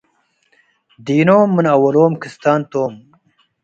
ዲኖም ምን አወሎም ክስታን ቶም ።